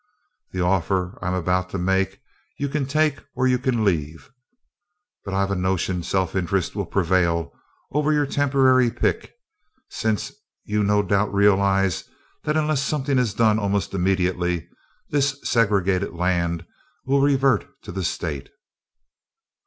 "The offer I am about to make you can take or you can leave, but I've a notion self interest will prevail over your temporary pique, since you no doubt realize that unless something is done almost immediately this segregated land will revert to the state.